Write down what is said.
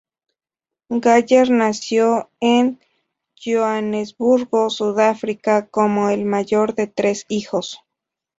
Geyer nació en Johannesburg, Sudáfrica, como el mayor de tres hijos.